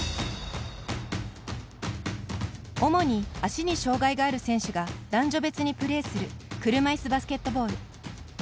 主に足に障がいがある選手が男女別にプレーする車いすバスケットボール。